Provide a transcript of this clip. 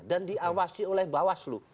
dan diawasi oleh bawaslu